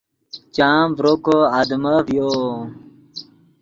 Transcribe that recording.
چام ڤرو کو آدمف ڤیو